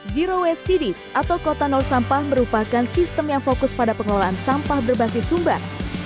zero waste cities atau kota nol sampah merupakan sistem yang fokus pada pengelolaan sampah berbasis sumber